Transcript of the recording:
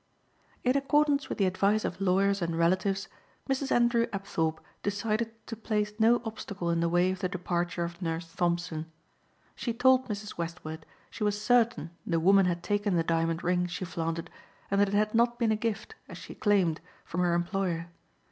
In accordance with the advice of lawyers and relatives Mrs. Andrew Apthorpe decided to place no obstacle in the way of the departure of Nurse Thompson. She told Mrs. Westward she was certain the woman had taken the diamond ring she flaunted and that it had not been a gift, as she claimed, from her employer.